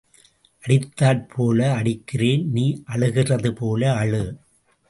அடித்தாற் போல அடிக்கிறேன் நீ அழுகிறது போல அழு.